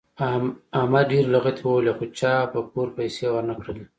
احمد ډېرې لغتې ووهلې خو چا پور پیسې ور نه کړلې.